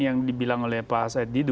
yang dibilang oleh pak said di